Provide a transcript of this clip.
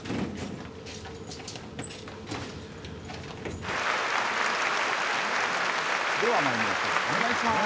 では参りましょう。